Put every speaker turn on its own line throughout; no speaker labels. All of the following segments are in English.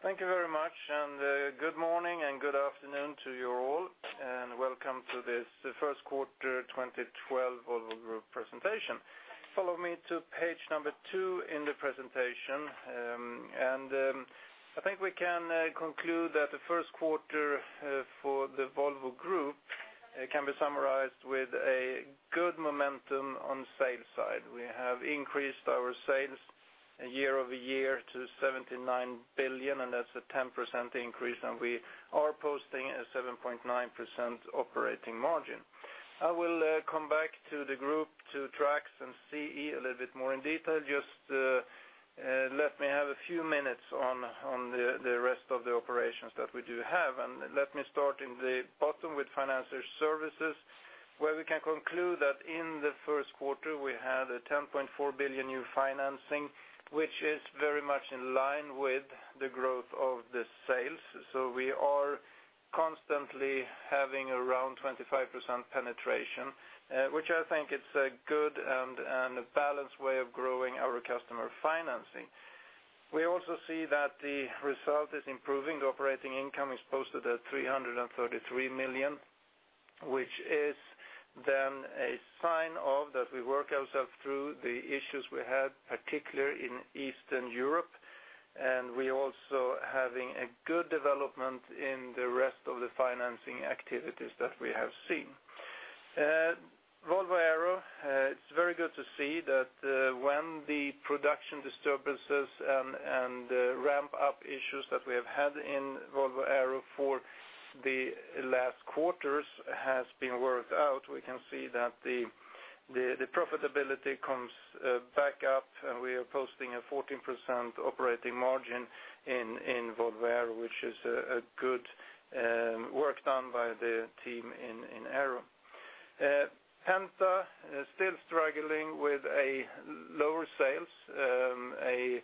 Thank you very much, and good morning and good afternoon to you all, and welcome to this first quarter 2012 Volvo Group presentation. Follow me to page number two in the presentation. I think we can conclude that the first quarter for the Volvo Group can be summarized with a good momentum on the sales side. We have increased our sales year-over-year to 79 billion, and that's a 10% increase, and we are posting a 7.9% operating margin. I will come back to the Group, to Trucks and CE a little bit more in detail. Just let me have a few minutes on the rest of the operations that we do have, and let me start in the bottom with Financial Services where we can conclude that in the first quarter we had 10.4 billion new financing, which is very much in line with the growth of the sales. We are constantly having around 25% penetration, which I think is a good and balanced way of growing our customer financing. We also see that the result is improving. The operating income is posted at 333 million, which is then a sign that we work ourselves through the issues we had, particularly in Eastern Europe, and we also are having a good development in the rest of the financing activities that we have seen. Volvo Aero is very good to see that when the production disturbances and ramp-up issues that we have had in Volvo Aero for the last quarters have been worked out, we can see that the profitability comes back up, and we are posting a 14% operating margin in Volvo Aero, which is a good work done by the team in Aero. Penta is still struggling with lower sales,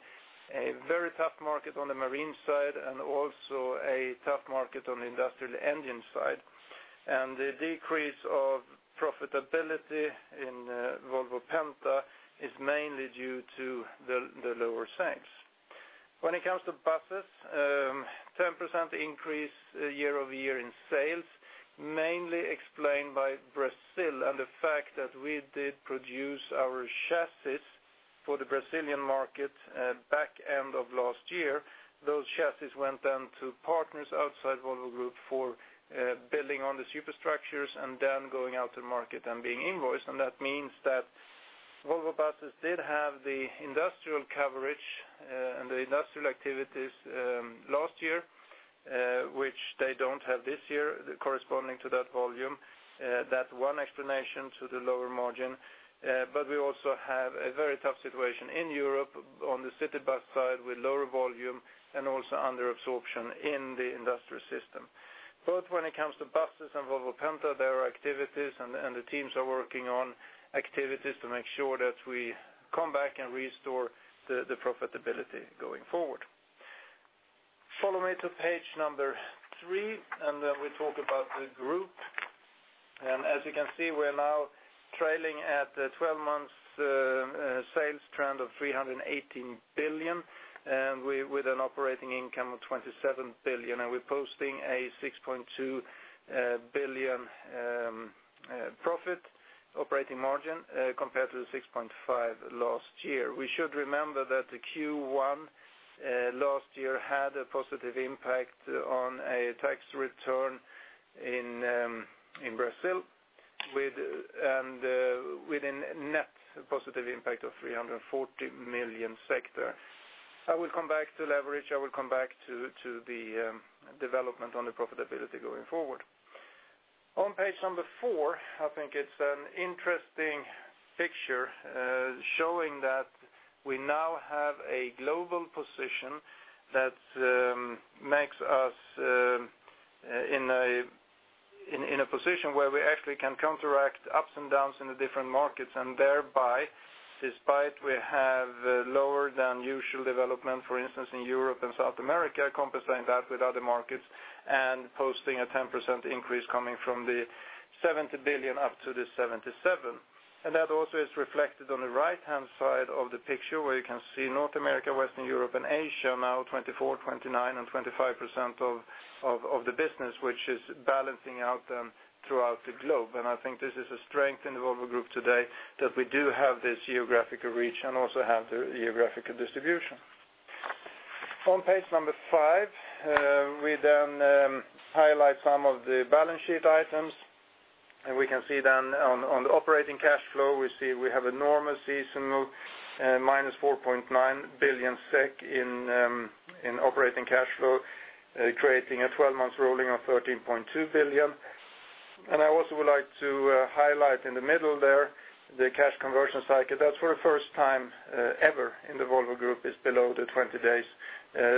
a very tough market on the marine side, and also a tough market on the industrial engine side. The decrease of profitability in Volvo Penta is mainly due to the lower sales. When it comes to buses: 10% increase year-over-year in sales, mainly explained by Brazil and the fact that we did produce our chassis for the Brazilian market back end of last year. Those chassis went then to partners outside Volvo Group for building on the superstructures and then going out to the market and being invoiced. That means that Volvo Buses did have the industrial coverage and the industrial activities last year, which they don't have this year, corresponding to that volume. That's one explanation to the lower margin. We also have a very tough situation in Europe on the city bus side with lower volume and also under-absorption in the industrial system. Both when it comes to buses and Volvo Penta, there are activities and the teams are working on activities to make sure that we come back and restore the profitability going forward. Follow me to page number three, and then we talk about the group. As you can see, we're now trailing at the 12 months sales trend of 318 billion, and we're with an operating income of 27 billion, and we're posting a 6.2 billion profit operating margin compared to the 6.5% last year. We should remember that Q1 last year had a positive impact on a tax return in Brazil with a net positive impact of 340 million. I will come back to leverage. I will come back to the development on the profitability going forward. On page number four, I think it's an interesting picture showing that we now have a global position that makes us in a position where we actually can counteract ups and downs in the different markets, and thereby, despite we have lower than usual development, for instance, in Europe and South America, compensating that with other markets and posting a 10% increase coming from the 70 billion up to the 77 billion. That also is reflected on the right-hand side of the picture where you can see North America, Western Europe, and Asia now 24%, 29%, and 25% of the business, which is balancing out then throughout the globe. I think this is a strength in the Volvo Group today that we do have this geographical reach and also have the geographical distribution. On page number five, we then highlight some of the balance sheet items, and we can see then on the operating cash flow, we see we have enormous seasonal minus 4.9 billion SEK in operating cash flow, creating a 12 months rolling of 13.2 billion. I also would like to highlight in the middle there the cash conversion cycle. That's for the first time ever in the Volvo Group is below the 20 days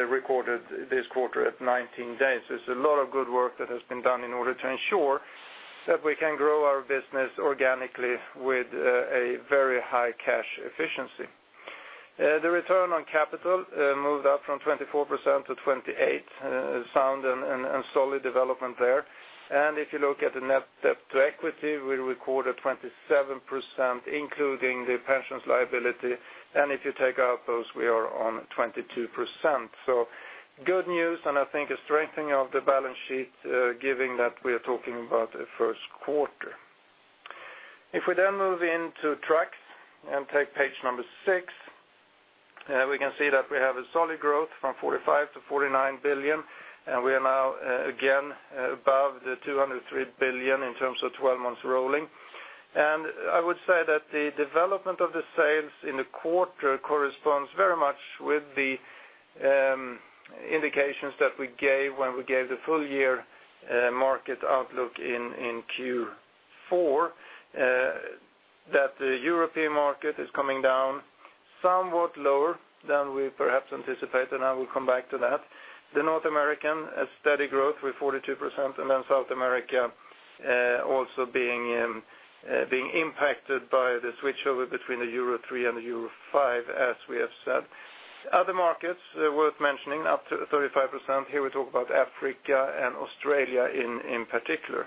recorded this quarter at 19 days. There's a lot of good work that has been done in order to ensure that we can grow our business organically with a very high cash efficiency. The return on capital moved up from 24% to 28%, found in a solid development there. If you look at the net debt to equity, we recorded 27%, including the pension liabilities. If you take out those, we are on 22%. Good news, and I think a strengthening of the balance sheet, given that we are talking about the first quarter. If we then move into trucks and take page number six, we can see that we have a solid growth from 45 billion to 49 billion, and we are now again above the 203 billion in terms of 12 months rolling. I would say that the development of the sales in the quarter corresponds very much with the indications that we gave when we gave the full-year market outlook in Q4, that the European market is coming down somewhat lower than we perhaps anticipated. I will come back to that. The North American, a steady growth with 42%, and then South America also being impacted by the switchover between the Euro 3 and the Euro 5, as we have said. Other markets worth mentioning up to 35%. Here we talk about Africa and Australia in particular.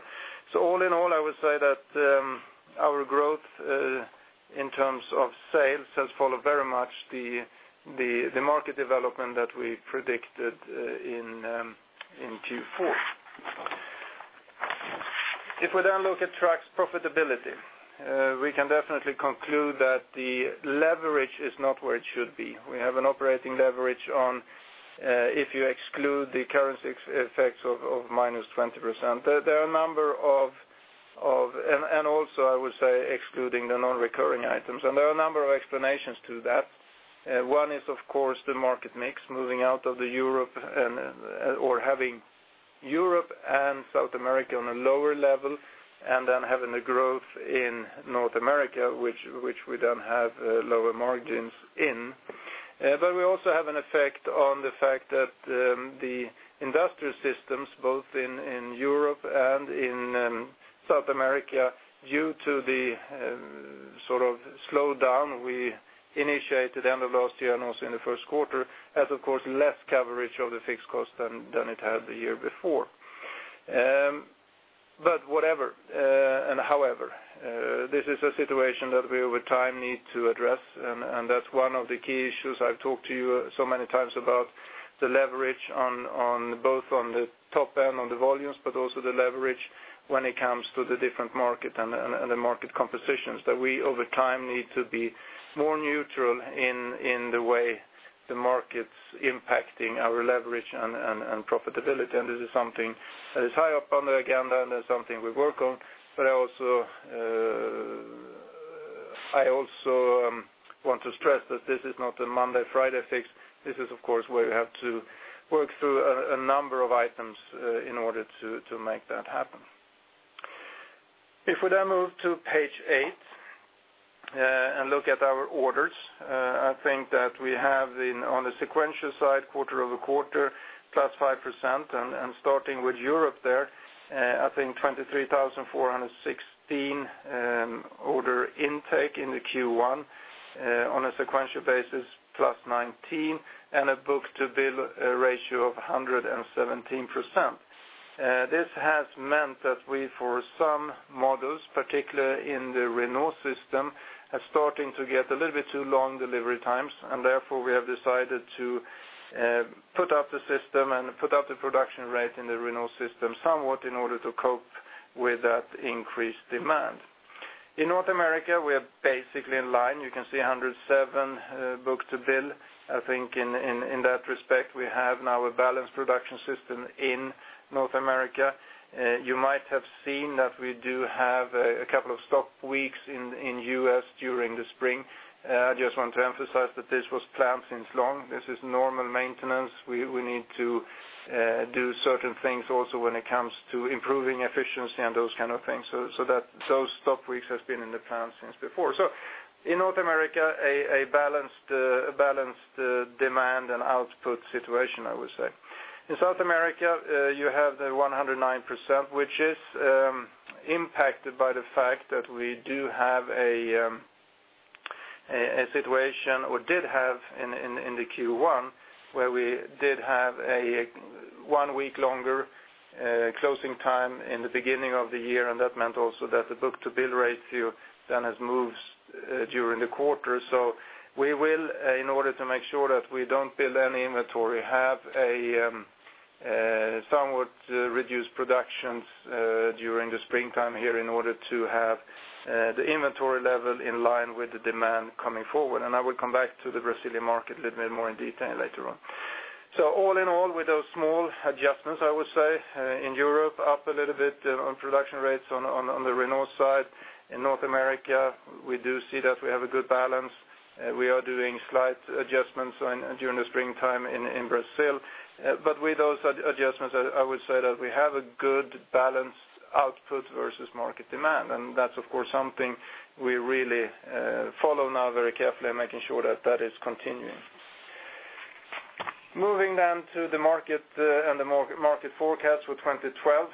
All in all, I would say that our growth in terms of sales has followed very much the market development that we predicted in Q4. If we then look at trucks profitability, we can definitely conclude that the leverage is not where it should be. We have an operating leverage on, if you exclude the currency effects of -20%. There are a number of, and also I would say excluding the non-recurring items. There are a number of explanations to that. One is, of course, the market mix moving out of Europe and/or having Europe and South America on a lower level, and then having the growth in North America, which we then have lower margins in. We also have an effect on the fact that the industrial systems, both in Europe and in South America, due to the sort of slowdown we initiated end of last year and also in the first quarter, as of course, less coverage of the fixed cost than it had the year before. Whatever and however, this is a situation that we over time need to address, and that's one of the key issues I've talked to you so many times about, the leverage on both on the top end of the volumes, but also the leverage when it comes to the different market and the market compositions, that we over time need to be more neutral in the way the market's impacting our leverage and profitability. This is something that is high up on the agenda and is something we work on. I also want to stress that this is not a Monday-Friday fix. This is, of course, where you have to work through a number of items in order to make that happen. If we then move to page eight and look at our orders, I think that we have on the sequential side, quarter-over-quarter, +5%. Starting with Europe, I think 23,416 order intake in Q1 on a sequential basis, +19, and a book-to-bill ratio of 117%. This has meant that we, for some models, particularly in the Renault system, are starting to get a little bit too long delivery times, and therefore we have decided to put up the system and put up the production rate in the Renault system somewhat in order to cope with that increased demand. In North America, we are basically in line. You can see 107% book-to-bill. I think in that respect, we have now a balanced production system in North America. You might have seen that we do have a couple of stock weeks in the U.S. during the spring. I just want to emphasize that this was planned since long. This is normal maintenance. We need to do certain things also when it comes to improving efficiency and those kind of things. Those stock weeks have been in the plans since before. In North America, a balanced demand and output situation, I would say. In South America, you have the 109%, which is impacted by the fact that we do have a situation or did have in Q1 where we did have a one week longer closing time in the beginning of the year, and that meant also that the book-to-bill ratio then has moved during the quarter. We will, in order to make sure that we don't build any inventory, have somewhat reduced productions during the springtime here in order to have the inventory level in line with the demand coming forward. I will come back to the Brazilian market a little bit more in detail later on. All in all, with those small adjustments, I would say, in Europe, up a little bit on production rates on the Renault side. In North America, we do see that we have a good balance. We are doing slight adjustments during the springtime in Brazil. With those adjustments, I would say that we have a good balanced output versus market demand. That is, of course, something we really follow now very carefully and making sure that that is continuing. Moving then to the market and the market forecast for 2012.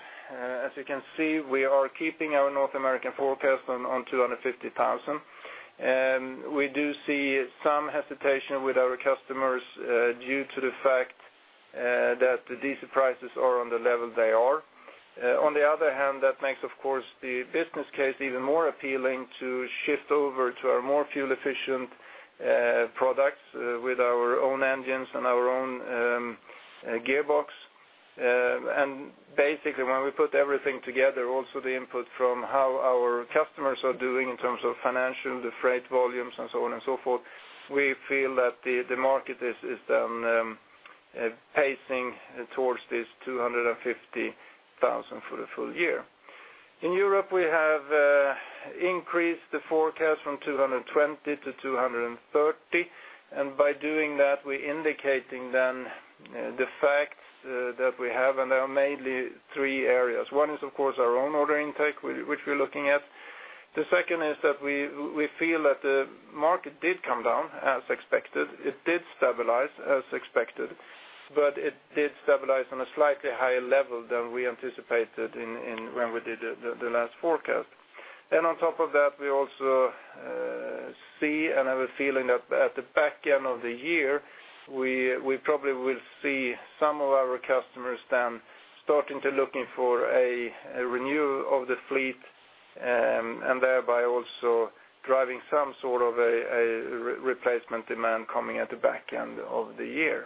As you can see, we are keeping our North American forecast on 250,000. We do see some hesitation with our customers due to the fact that the diesel prices are on the level they are. On the other hand, that makes, of course, the business case even more appealing to shift over to our more fuel-efficient products with our own engines and our own gearbox. Basically, when we put everything together, also the input from how our customers are doing in terms of financial, the freight volumes, and so on and so forth, we feel that the market is then pacing towards this 250,000 for the full year. In Europe, we have increased the forecast from 220,000 to 230,000. By doing that, we're indicating the fact that we have, and there are mainly three areas. One is, of course, our own order intake, which we're looking at. The second is that we feel that the market did come down as expected. It did stabilize as expected, but it did stabilize on a slightly higher level than we anticipated when we did the last forecast. On top of that, we also see and have a feeling that at the back end of the year, we probably will see some of our customers starting to look for a renewal of the fleet and thereby also driving some sort of a replacement demand coming at the back end of the year.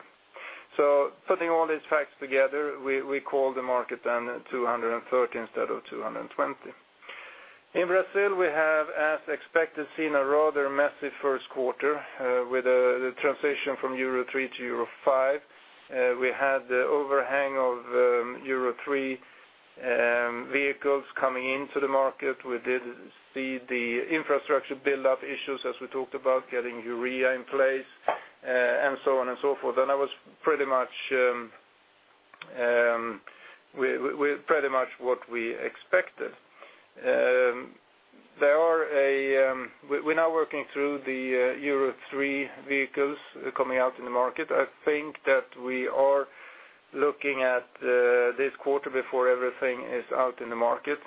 Putting all these facts together, we call the market 230,000 instead of 220,000. In Brazil, we have, as expected, seen a rather messy first quarter with the transition from Euro 3 to Euro 5. We had the overhang of Euro 3 vehicles coming into the market. We did see the infrastructure build-up issues, as we talked about, getting urea in place, and so on and so forth. That was pretty much what we expected. We're now working through the Euro 3 vehicles coming out in the market. I think that we are looking at this quarter before everything is out in the market.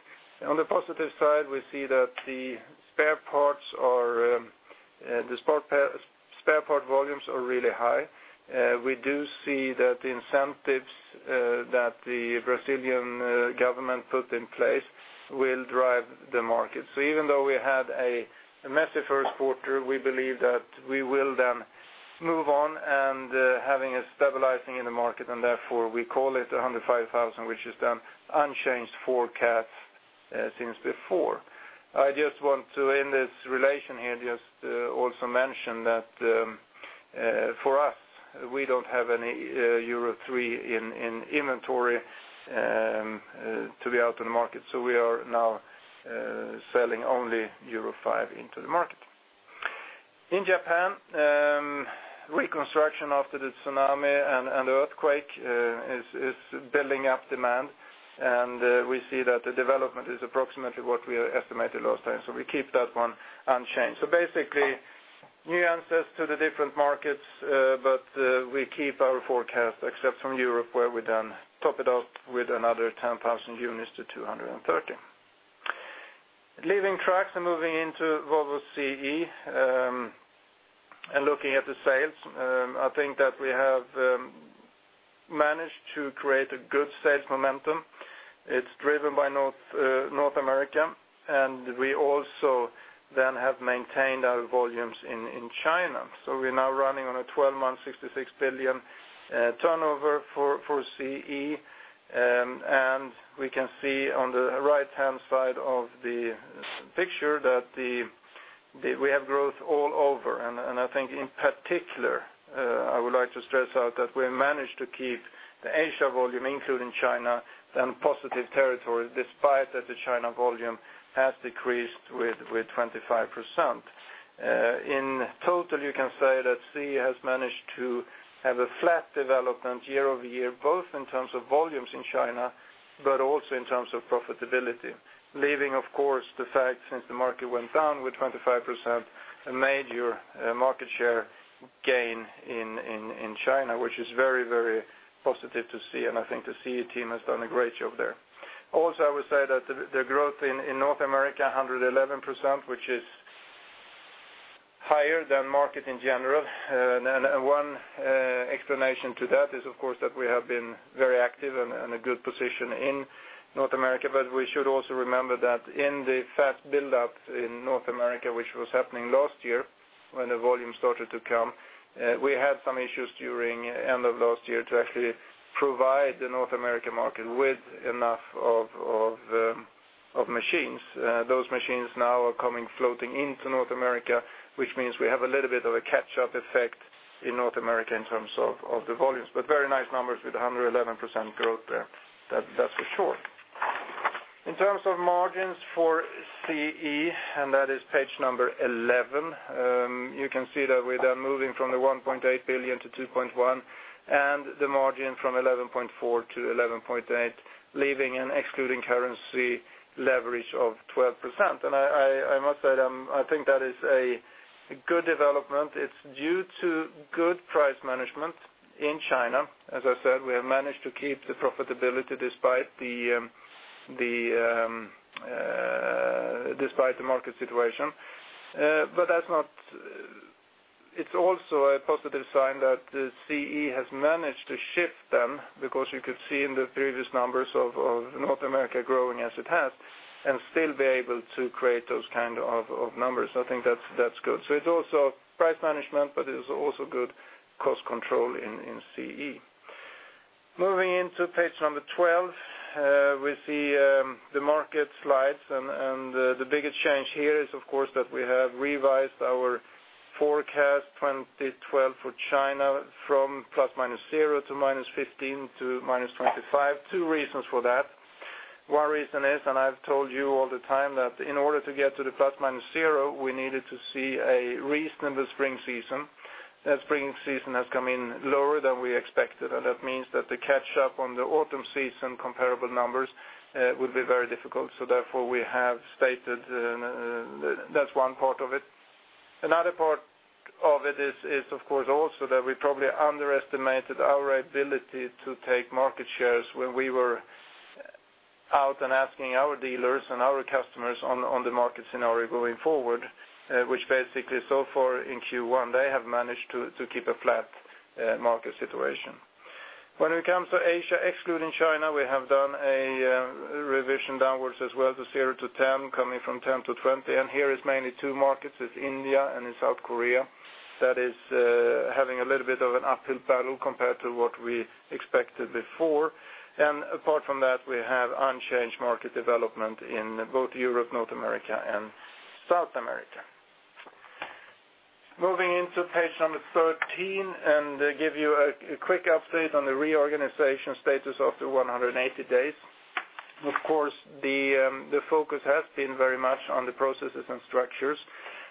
On the positive side, we see that the spare part volumes are really high. We do see that the incentives that the Brazilian government put in place will drive the market. Even though we had a messy first quarter, we believe that we will then move on and have a stabilizing in the market, and therefore we call it 105,000, which is then unchanged forecast since before. I just want to, in this relation here, also mention that for us, we don't have any Euro 3 in inventory to be out in the market. We are now selling only Euro 5 into the market. In Japan, reconstruction after the tsunami and the earthquake is building up demand, and we see that the development is approximately what we estimated last time. We keep that one unchanged. Basically, nuances to the different markets, but we keep our forecast except for Europe, where we then top it up with another 10,000 units to 230,000. Leaving Trucks and moving into Volvo CE and looking at the sales, I think that we have managed to create a good sales momentum. It's driven by North America, and we also then have maintained our volumes in China. We're now running on a 12-month, 66 billion turnover for CE. We can see on the right-hand side of the picture that we have growth all over. In particular, I would like to stress that we managed to keep the Asia volume, including China, in positive territory despite that the China volume has decreased by 25%. In total, you can say that CE has managed to have a flat development year-over-year, both in terms of volumes in China and in terms of profitability. Leaving, of course, the fact since the market went down by 25%, a major market share gain in China, which is very, very positive to see. I think the CE team has done a great job there. Also, I would say that the growth in North America, 111%, is higher than the market in general. One explanation for that is, of course, that we have been very active and in a good position in North America. We should also remember that in the fat buildup in North America, which was happening last year when the volume started to come, we had some issues during the end of last year to actually provide the North American market with enough machines. Those machines now are coming, floating into North America, which means we have a little bit of a catch-up effect in North America in terms of the volumes. Very nice numbers with 111% growth there, that for sure. In terms of margins for CE, and that is page number 11, you can see that we're then moving from 1.8 billion to 2.1 billion and the margin from 11.4% to 11.8%, leaving an excluding currency leverage of 12%. I must say that I think that is a good development. It's due to good price management in China. As I said, we have managed to keep the profitability despite the market situation. It's also a positive sign that CE has managed to shift them because you could see in the previous numbers of North America growing as it has and still be able to create those kind of numbers. I think that's good. It's also price management, but it's also good cost control in CE. Moving into page number 12, we see the market slides. The biggest change here is, of course, that we have revised our forecast 2012 for China from ±0 to -15% to -25%. Two reasons for that. One reason is, and I've told you all the time, that in order to get to the ±0, we needed to see a reasonable spring season. The spring season has come in lower than we expected. That means that the catch-up on the autumn season comparable numbers would be very difficult. Therefore, we have stated that's one part of it. Another part of it is, of course, also that we probably underestimated our ability to take market shares when we were out and asking our dealers and our customers on the market scenario going forward, which basically so far in Q1, they have managed to keep a flat market situation. When it comes to Asia, excluding China, we have done a revision downwards as well to 0 to 10%, coming from 10% to 20%. Here it is mainly two markets, it is India and it is South Korea. That is having a little bit of an uphill battle compared to what we expected before. Apart from that, we have unchanged market development in both Europe, North America, and South America. Moving into page number 13 and give you a quick update on the reorganization status after 180 days. Of course, the focus has been very much on the processes and structures.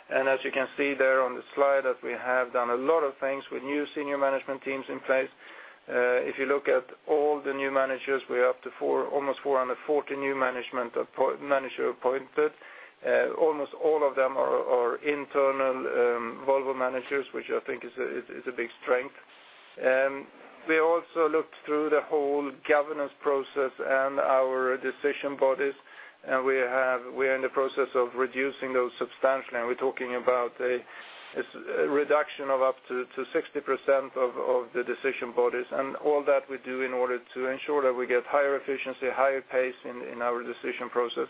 As you can see there on the slide, we have done a lot of things with new senior management teams in place. If you look at all the new managers, we're up to almost 440 new managers appointed. Almost all of them are internal Volvo managers, which I think is a big strength. We also looked through the whole governance process and our decision bodies, and we are in the process of reducing those substantially. We're talking about a reduction of up to 60% of the decision bodies. All that we do in order to ensure that we get higher efficiency, higher pace in our decision process.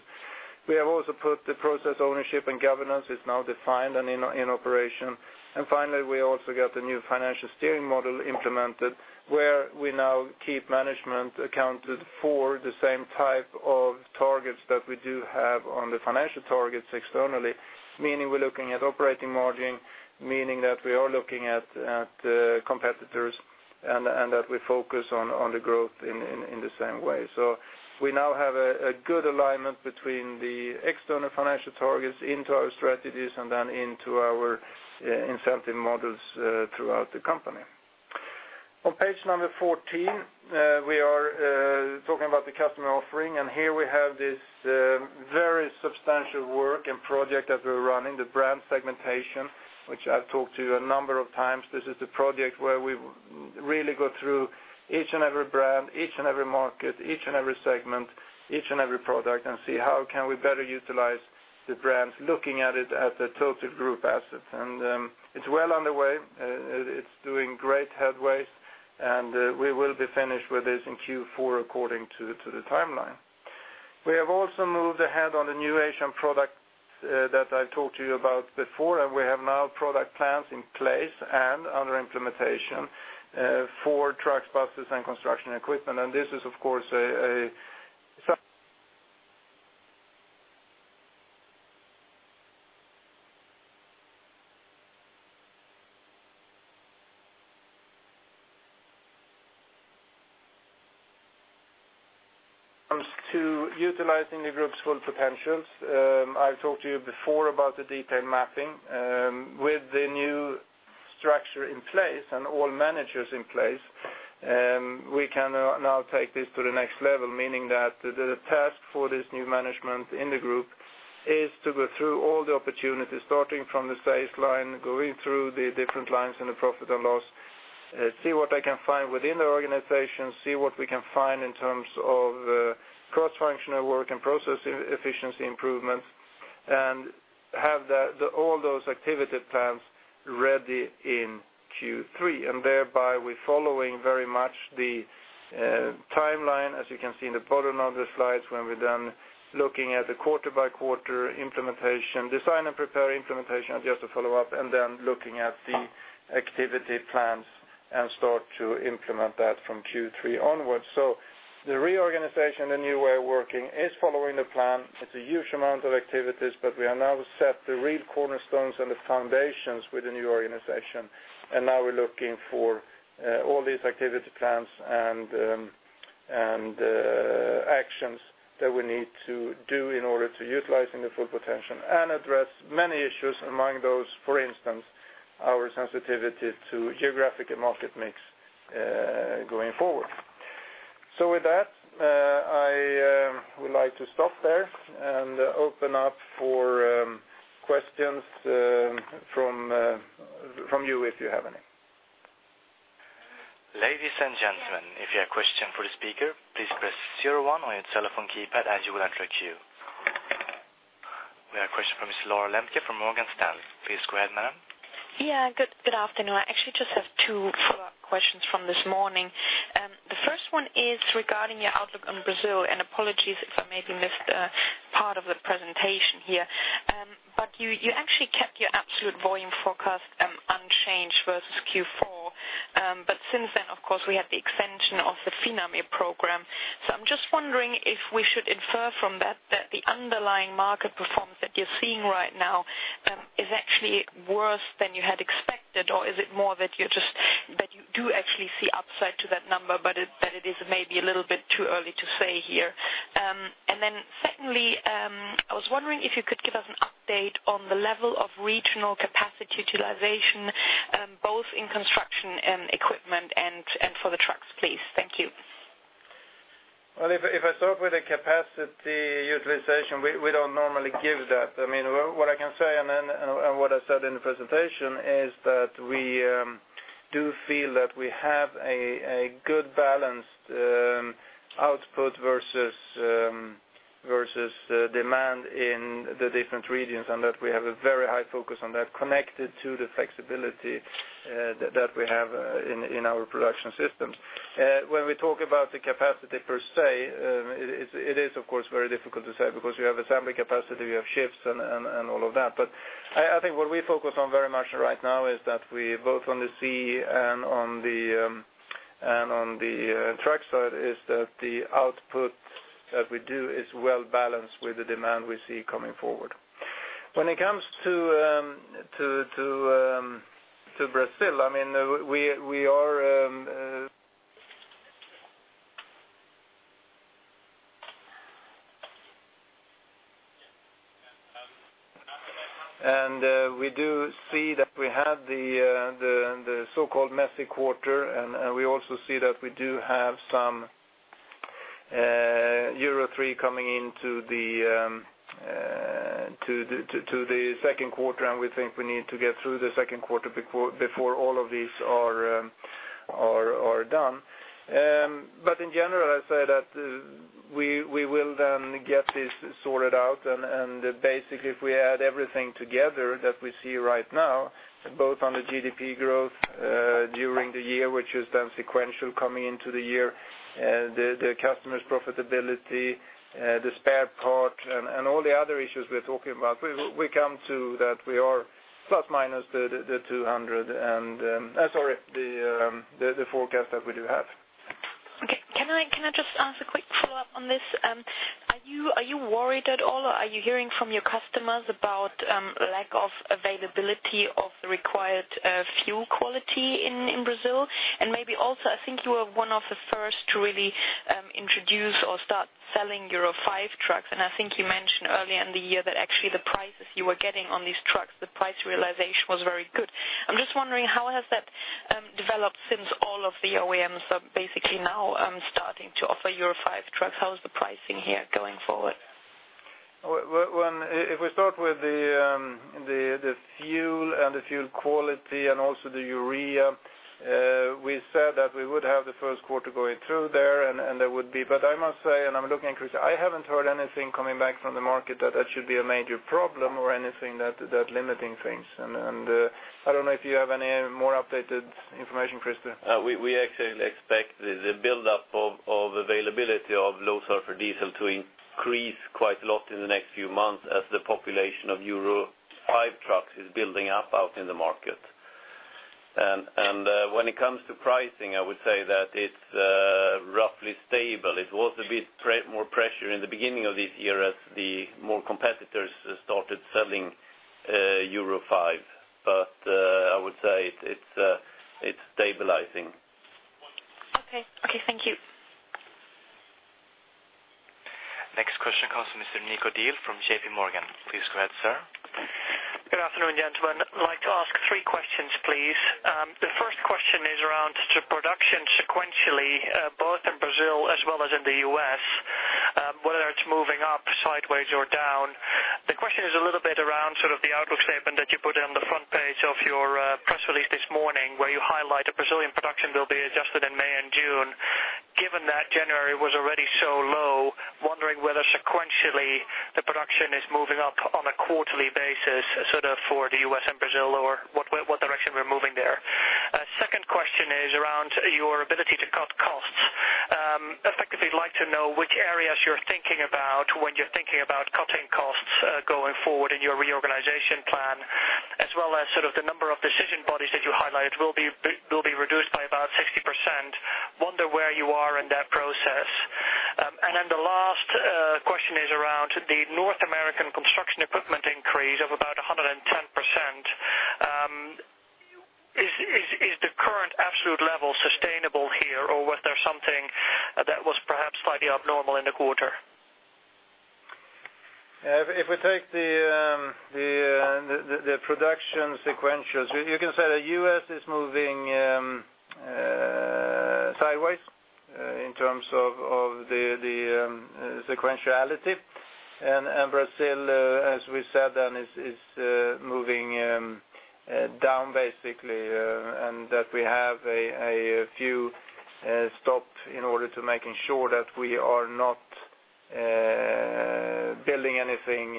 We have also put the process ownership and governance is now defined and in operation. Finally, we also got the new financial steering model implemented, where we now keep management accounted for the same type of targets that we do have on the financial targets externally, meaning we're looking at operating margin, meaning that we are looking at competitors and that we focus on the growth in the same way. We now have a good alignment between the external financial targets into our strategies and then into our incentive models throughout the company. On page number 14, we are talking about the customer offering. Here we have this very substantial work and project that we're running, the brand segmentation, which I've talked to you a number of times. This is the project where we really go through each and every brand, each and every market, each and every segment, each and every product, and see how we can better utilize the brands, looking at it at the total group asset. It's well underway. It's making great headway. We will be finished with this in Q4 according to the timeline. We have also moved ahead on the new Asian product that I've talked to you about before, and we have now product plans in place and under implementation for trucks, buses, and construction equipment. This is, of course, to utilize the group's full potential. I've talked to you before about the detailed mapping. With the new structure in place and all managers in place, we can now take this to the next level, meaning that the task for this new management in the group is to go through all the opportunities, starting from the stage line, going through the different lines in the profit and loss, see what they can find within the organization, see what we can find in terms of cross-functional work and process efficiency improvements, and have all those activity plans ready in Q3. We are following very much the timeline, as you can see in the bottom of the slides, when we're done looking at the quarter-by-quarter implementation, design and prepare implementation, adjust to follow up, and then looking at the activity plans and start to implement that from Q3 onwards. The reorganization, the new way of working, is following the plan. It's a huge amount of activities, but we have now set the real cornerstones and the foundations with the new organization. Now we're looking for all these activity plans and actions that we need to do in order to utilize the full potential and address many issues, among those, for instance, our sensitivity to geographic and market mix going forward. With that, I would like to stop there and open up for questions from you if you have any.
Ladies and gentlemen, if you have a question for the speaker, please press 01 on your telephone keypad and you will have a queue. We have a question from Ms. Laura Lemke from Morgan Stanley. Please go ahead, madam.
Yeah, good afternoon. I actually just have two questions from this morning. The first one is regarding your outlook on Brazil, and apologies if I maybe missed part of the presentation here. You actually kept your absolute volume forecast unchanged versus Q4. Since then, of course, we had the extension of the Finame program. I'm just wondering if we should infer from that that the underlying market performance that you're seeing right now is actually worse than you had expected, or is it more that you do actually see upside to that number, but that it is maybe a little bit too early to say here? Secondly, I was wondering if you could give us an update on the level of regional capacity utilization, both in construction equipment and for the trucks, please. Thank you.
If I start with the capacity utilization, we don't normally give that. What I can say and what I said in the presentation is that we do feel that we have a good balanced output versus demand in the different regions and that we have a very high focus on that connected to the flexibility that we have in our production systems. When we talk about the capacity per se, it is, of course, very difficult to say because you have assembly capacity, you have shifts, and all of that. I think what we focus on very much right now is that we both on the Construction Equipment and on the truck side is that the output that we do is well balanced with the demand we see coming forward. When it comes to Brazil, we are and we do see that we had the so-called messy quarter, and we also see that we do have some Euro 3 coming into the second quarter, and we think we need to get through the second quarter before all of these are done. In general, I'd say that we will then get this sorted out. Basically, if we add everything together that we see right now, both on the GDP growth during the year, which is then sequential coming into the year, the customer's profitability, the spare part, and all the other issues we're talking about, we come to that we are ±200 and, sorry, the forecast that we do have.
Can I just ask a quick follow-up on this? Are you worried at all, or are you hearing from your customers about lack of availability of the required fuel quality in Brazil? I think you were one of the first to really introduce or start selling Euro 5 trucks. You mentioned earlier in the year that actually the prices you were getting on these trucks, the price realization was very good. I'm just wondering, how has that developed since all of the OEMs are basically now starting to offer Euro 5 trucks? How is the pricing here going forward?
If we start with the fuel and the fuel quality and also the urea, we said that we would have the first quarter going through there, and there would be. I must say, I'm looking, Chris, I haven't heard anything coming back from the market that that should be a major problem or anything that's limiting things. I don't know if you have any more updated information, Christian.
We actually expect the buildup of availability of low sulphur diesel to increase quite a lot in the next few months as the population of Euro 5 trucks is building up out in the market. When it comes to pricing, I would say that it's roughly stable. It was a bit more pressure in the beginning of this year as more competitors started selling Euro 5. I would say it's stabilizing.
Okay. Okay. Thank you.
Next question comes from Mr. Nico Diehl from JPMorgan. Please go ahead, sir.
Good afternoon, gentlemen. I'd like to ask three questions, please. The first question is around the production sequentially, both in Brazil as well as in the U.S., whether it's moving up, sideways, or down. The question is a little bit around the outlook statement that you put in on the front page of your press release this morning, where you highlight that Brazilian production will be adjusted in May and June. Given that January was already so low, wondering whether sequentially the production is moving up on a quarterly basis for the U.S. and Brazil or what direction we're moving there. The second question is around your ability to cut costs. I'd like to know which areas you're thinking about when you're thinking about cutting costs going forward in your reorganization plan, as well as the number of decision bodies that you highlighted will be reduced by about 60%. I wonder where you are in that process. The last question is around the North American construction equipment increase of about 110%. Is the current absolute level sustainable here, or was there something that was perhaps slightly abnormal in the quarter?
Yeah, if we take the production sequentials, you can say the U.S. is moving sideways in terms of the sequentiality. Brazil, as we said, then is moving down basically, and we have a few stops in order to make sure that we are not building anything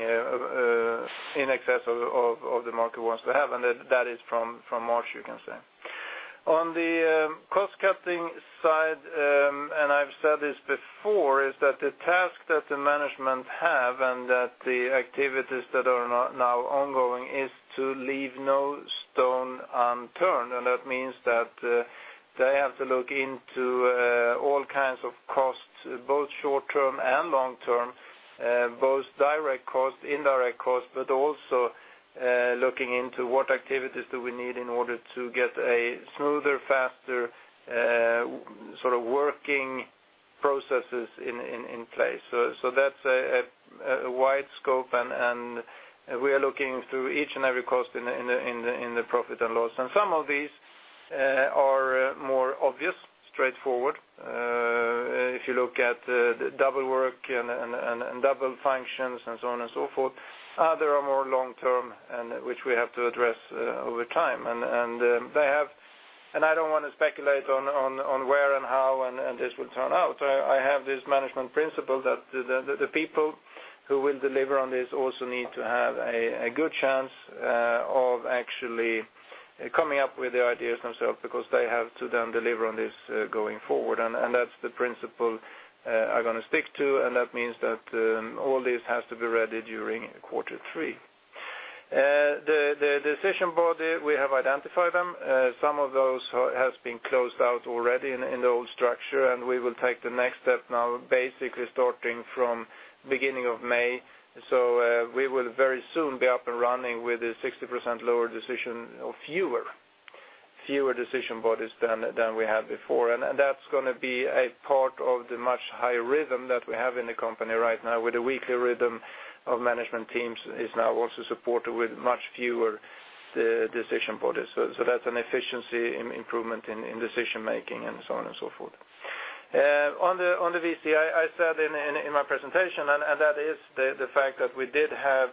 in excess of what the market wants to have. That is from March, you can say. On the cost-cutting side, and I've said this before, the task that the management has and the activities that are now ongoing is to leave no stone unturned. That means they have to look into all kinds of costs, both short-term and long-term, both direct costs, indirect costs, but also looking into what activities we need in order to get smoother, faster working processes in place. That's a wide scope, and we are looking through each and every cost in the profit and loss. Some of these are more obvious, straightforward. If you look at the double work and double functions and so on and so forth, others are more long-term, which we have to address over time. I don't want to speculate on where and how this will turn out. I have this management principle that the people who will deliver on this also need to have a good chance of actually coming up with the ideas themselves because they have to then deliver on this going forward. That's the principle I'm going to stick to. That means all this has to be ready during quarter three. The decision body, we have identified them. Some of those have been closed out already in the old structure, and we will take the next step now, basically starting from the beginning of May. We will very soon be up and running with a 60% lower decision or fewer decision bodies than we had before. That's going to be a part of the much higher rhythm that we have in the company right now, where the weekly rhythm of management teams is now also supported with much fewer decision bodies. That's an efficiency improvement in decision-making and so on and so forth. On the VC, I said in my presentation, and that is the fact that we did have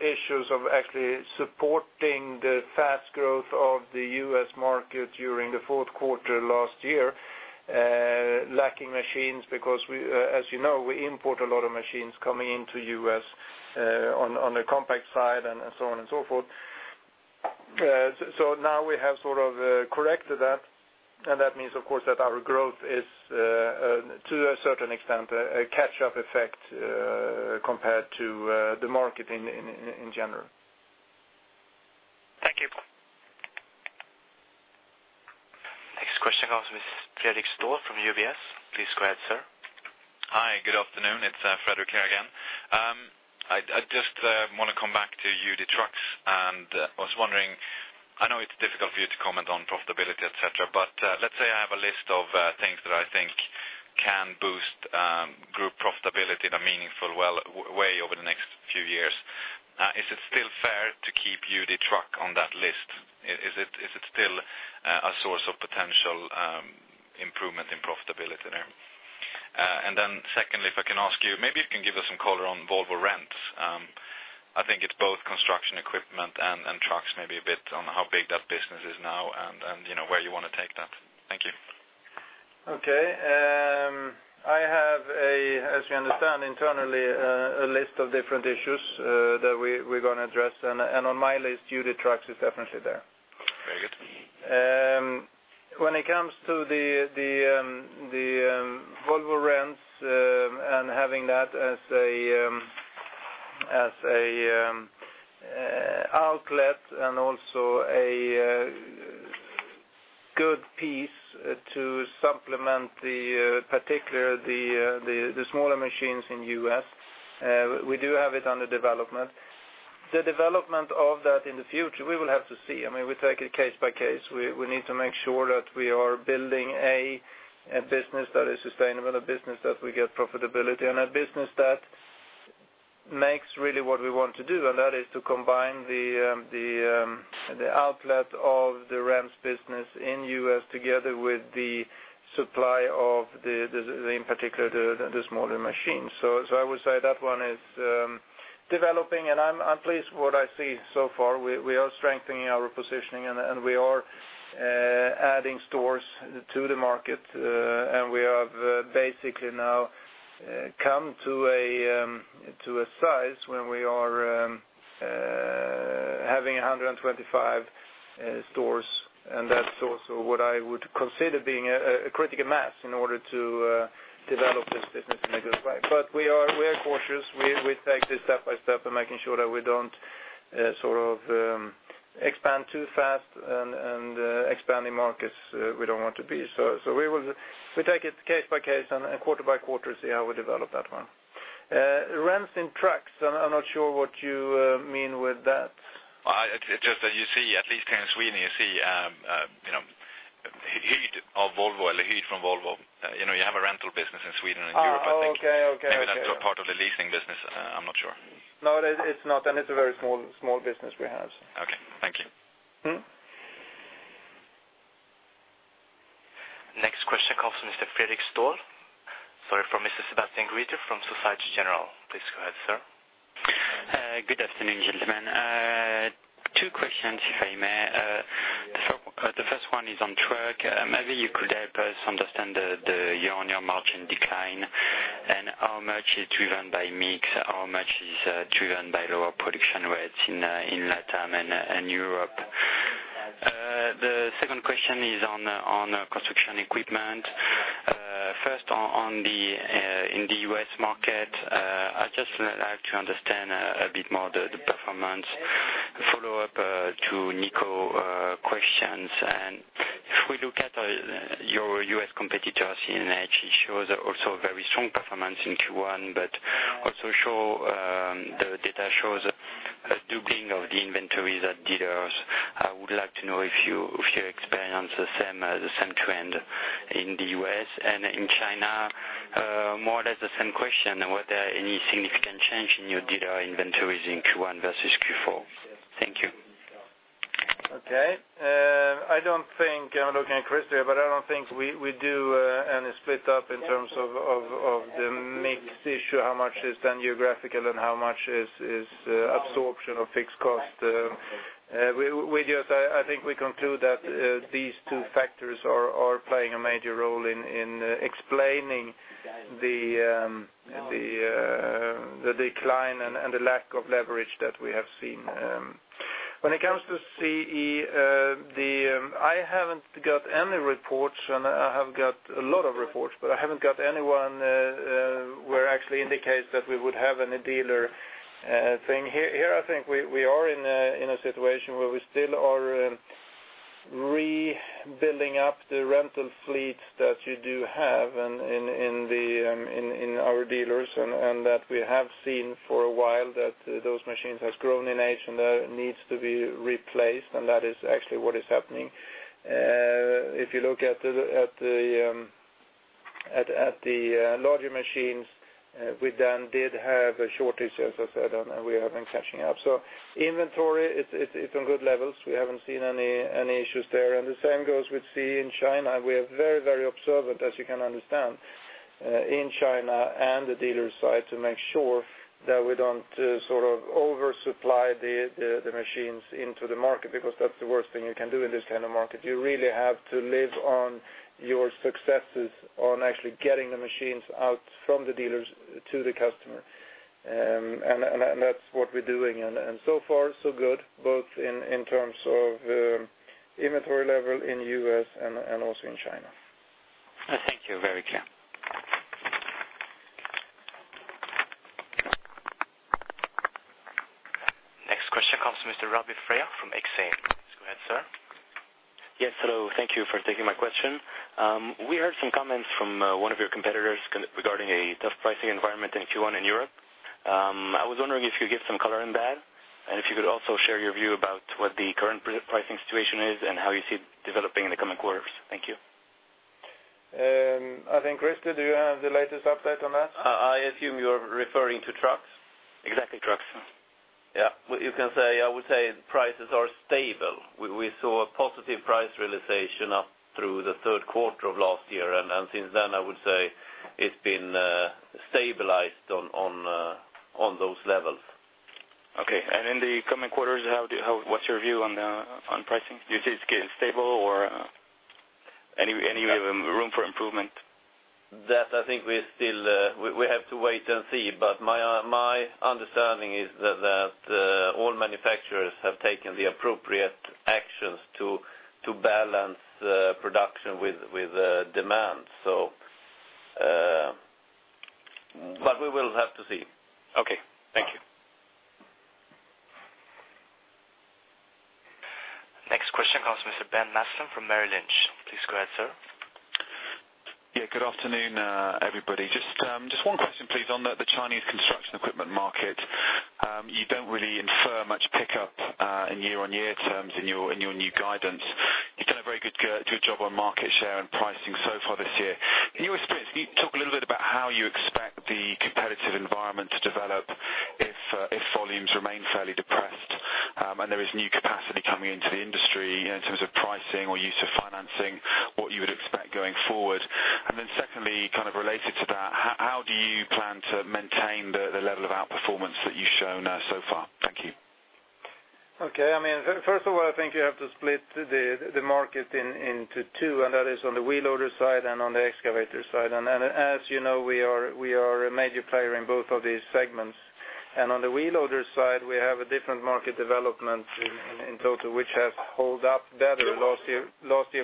issues of actually supporting the fast growth of the U.S. market during the fourth quarter last year, lacking machines because, as you know, we import a lot of machines coming into the U.S. on the compact side and so on and so forth. Now we have sort of corrected that. That means, of course, that our growth is, to a certain extent, a catch-up effect compared to the market in general.
Thank you.
Next question comes from Fredric Stahl from UBS. Please go ahead, sir.
Hi. Good afternoon. It's Fredric here again. I just want to come back to you, the trucks. I was wondering, I know it's difficult for you to comment on profitability, etc., but let's say I have a list of things that I think can boost group profitability in a meaningful way over the next few years. Is it still fair to keep the truck on that list? Is it still a source of potential improvement in profitability there? Secondly, if I can ask you, maybe you can give us some color on Volvo Rents. I think it's both construction equipment and trucks, maybe a bit on how big that business is now and where you want to take that. Thank you.
Okay. I have, as we understand internally, a list of different issues that we're going to address. On my list, the trucks is definitely there.
Very good.
When it comes to the Volvo Rents and having that as an outlet and also a good piece to supplement particularly the smaller machines in the U.S., we do have it under development. The development of that in the future, we will have to see. I mean, we take it case by case. We need to make sure that we are building a business that is sustainable, a business that we get profitability, and a business that makes really what we want to do. That is to combine the outlet of the Rents business in the U.S. together with the supply of, in particular, the smaller machines. I would say that one is developing, and I'm pleased with what I see so far. We are strengthening our positioning, and we are adding stores to the market. We have basically now come to a size when we are having 125 stores, and that's also what I would consider being a critical mass in order to develop this business in a good way. We are cautious. We take this step by step and making sure that we don't sort of expand too fast and expand in markets we don't want to be. We will take it case by case and quarter by quarter to see how we develop that one. Rents in trucks, I'm not sure what you mean with that.
It's just that you see, at least here in Sweden, you see heat of Volvo and the heat from Volvo. You know, you have a rental business in Sweden and Europe, I think.
Okay, okay.
Is that part of the leasing business? I'm not sure.
No, it's not. It's a very small business we have.
Okay. Thank you.
Next question comes from Mr. Fredrik Ståhl. Sorry, from Mr. Sebastian Ryder from [Société Générale]. Please go ahead, sir. Good afternoon, gentlemen. Two questions, if I may. The first one is on truck. Maybe you could help us understand the year-on-year margin decline and how much is driven by mix, how much is driven by lower production rates in Latin and Europe. The second question is on construction equipment. First, in the U.S. market, I'd just like to understand a bit more the performance. A follow-up to Nico's questions. If we look at your U.S. competitors, it shows also very strong performance in Q1, but also the data shows a doubling of the inventories at dealers. I would like to know if you experience the same trend in the U.S. In China, more or less the same question, whether there are any significant changes in your dealer inventories in Q1 versus Q4.
Yes. Thank you. Okay. I don't think I'm looking at Chris here, but I don't think we do any split up in terms of the mixed issue, how much is then geographical and how much is absorption of fixed cost. With you, I think we conclude that these two factors are playing a major role in explaining the decline and the lack of leverage that we have seen. When it comes to CE, I haven't got any reports, and I have got a lot of reports, but I haven't got anyone where it actually indicates that we would have any dealer thing. I think we are in a situation where we still are rebuilding up the rental fleets that you do have in our dealers and that we have seen for a while that those machines have grown in age and that need to be replaced. That is actually what is happening. If you look at the larger machines, we then did have a shortage, as I said, and we have been catching up. Inventory, it's on good levels. We haven't seen any issues there. The same goes with CE in China. We are very, very observant, as you can understand, in China and the dealer side to make sure that we don't sort of oversupply the machines into the market because that's the worst thing you can do in this kind of market. You really have to live on your successes on actually getting the machines out from the dealers to the customer. That's what we're doing. So far, so good, both in terms of inventory level in the U.S. and also in China. Thank you. Very clear.
Next question comes from Mr. Ravi Freya from Exane. Please go ahead, sir.
Yes. Hello. Thank you for taking my question. We heard some comments from one of your competitors regarding a tough pricing environment in Q1 in Europe. I was wondering if you could give some color in that, and if you could also share your view about what the current pricing situation is and how you see it developing in the coming quarters. Thank you.
I think, Christian, do you have the latest update on that?
I assume you're referring to trucks?
Exactly. Trucks.
You can say, I would say prices are stable. We saw a positive price realization up through the third quarter of last year. Since then, I would say it's been stabilized on those levels.
In the coming quarters, what's your view on pricing? Do you see it's getting stable or any room for improvement?
I think we still have to wait and see. My understanding is that all manufacturers have taken the appropriate actions to balance production with demand. We will have to see.
Next question comes from Mr. Ben Maston from Merrill Lynch. Please go ahead, sir.
Good afternoon, everybody. Just one question, please, on the Chinese construction equipment market. You don't really infer much pickup in year-on-year terms in your new guidance. You've done a very good job on market share and pricing so far this year. In your experience, can you talk a little bit about how you expect the competitive environment to develop if volumes remain fairly depressed and there is new capacity coming into the industry in terms of pricing or use of financing, what you would expect going forward? Secondly, kind of related to that, how do you plan to maintain the level of outperformance that you've shown so far? Thank you.
Okay. First of all, I think you have to split the market into two, and that is on the wheel loader side and on the excavator side. As you know, we are a major player in both of these segments. On the wheel loader side, we have a different market development in total, which has held up better. Last year,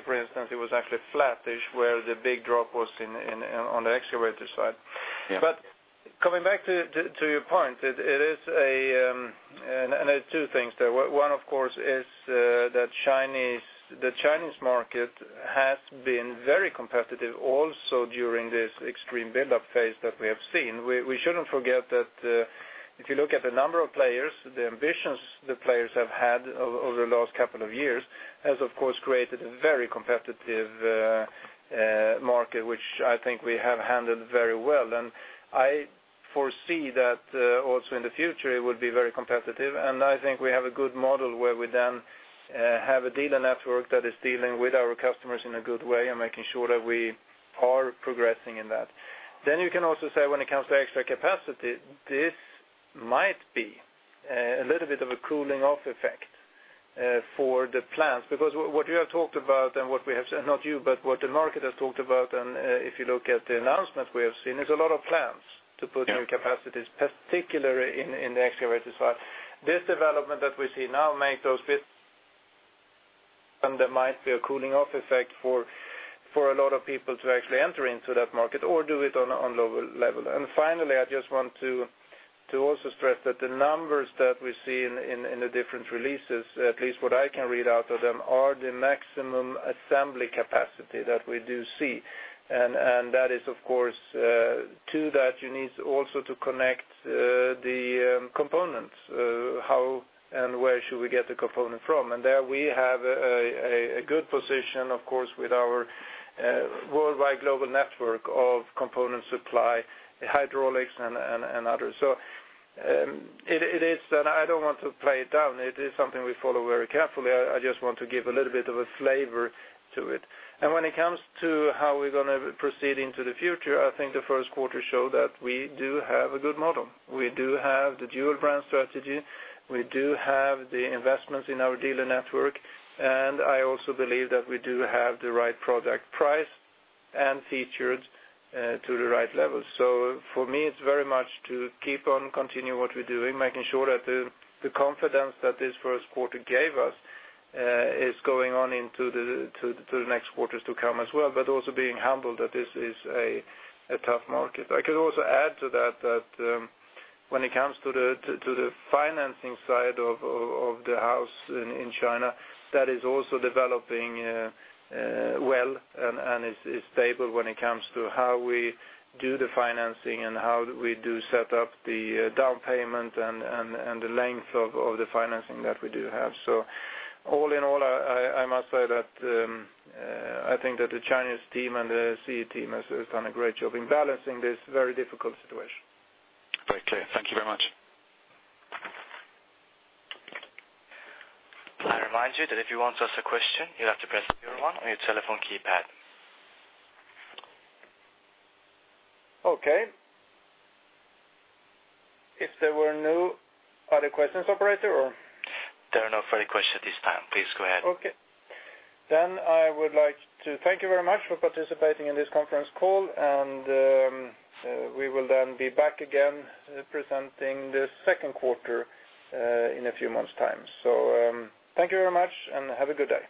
for instance, it was actually flattish, where the big drop was on the excavator side. Coming back to your point, there are two things there. One, of course, is that the Chinese market has been very competitive also during this extreme buildup phase that we have seen. We shouldn't forget that if you look at the number of players, the ambitions the players have had over the last couple of years has, of course, created a very competitive market, which I think we have handled very well. I foresee that also in the future, it will be very competitive. I think we have a good model where we have a dealer network that is dealing with our customers in a good way and making sure that we are progressing in that. You can also say when it comes to extra capacity, this might be a little bit of a cooling-off effect for the plans. What you have talked about and what we have, not you, but what the market has talked about, and if you look at the announcements we have seen, is a lot of plans to put new capacities, particularly on the excavator side. This development that we see now makes those bits, and there might be a cooling-off effect for a lot of people to actually enter into that market or do it on a lower level. Finally, I just want to also stress that the numbers that we see in the different releases, at least what I can read out of them, are the maximum assembly capacity that we do see. To that, you need also to connect the components. How and where should we get the component from? There we have a good position, of course, with our worldwide global network of component supply, hydraulics, and others. It is, and I don't want to play it down. It is something we follow very carefully. I just want to give a little bit of a flavor to it. When it comes to how we're going to proceed into the future, I think the first quarter showed that we do have a good model. We do have the dual brand strategy. We do have the investments in our dealer network. I also believe that we do have the right product price and features to the right level. For me, it's very much to keep on continuing what we're doing, making sure that the confidence that this first quarter gave us is going on into the next quarters to come as well, but also being humble that this is a tough market. I could also add to that when it comes to the financing side of the house in China, that is also developing well and is stable when it comes to how we do the financing and how we do set up the down payment and the length of the financing that we do have. All in all, I must say that I think that the Chinese team and the CE team has done a great job in balancing this very difficult situation.
Very clear. Thank you very much.
I remind you that if you want to ask a question, you have to press zero one on your telephone keypad.
Okay. If there were no other questions, operator?
There are no further questions at this time. Please go ahead.
Okay. I would like to thank you very much for participating in this conference call. We will be back again presenting the second quarter in a few months' time. Thank you very much and have a good day.